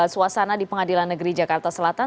suasana di pengadilan negeri jakarta selatan